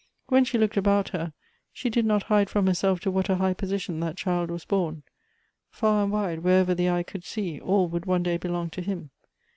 Wlicn she looked about her, she did not hide from her self to what a high position that child was born ; far and wide, wherever the eye could see, all would one day belong to him.